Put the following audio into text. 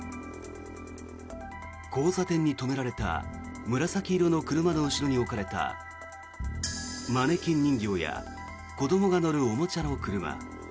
交差点に止められた紫色の車の後ろに置かれたマネキン人形や子どもが乗るおもちゃの車。